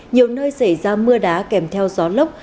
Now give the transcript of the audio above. nhiều nơi xảy ra mưa đá kèm theo gió lốc